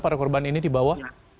para korban ini di bawah